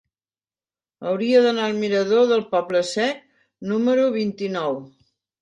Hauria d'anar al mirador del Poble Sec número vint-i-nou.